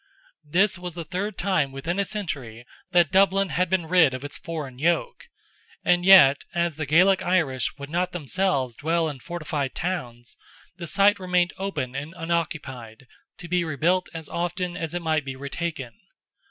This was the third time within a century that Dublin had been rid of its foreign yoke, and yet as the Gaelic Irish would not themselves dwell in fortified towns, the site remained open and unoccupied, to be rebuilt as often as it might be retaken.